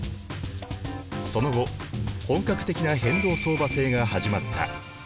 その後本格的な変動相場制が始まった。